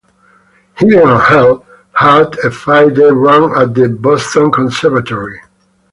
"Heaven and Hell" had a five-day run at the Boston Conservatory.